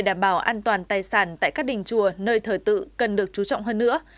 các đối tượng còn khai báo thêm một số vụ trộm tài sản tại các đỉnh chùa nơi thời tự cần được chú trọng hơn nữa